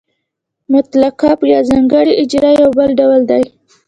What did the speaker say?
مطلقه یا ځانګړې اجاره یو بل ډول دی